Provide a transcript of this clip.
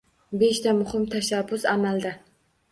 Beshta muhim tashabbus - amalda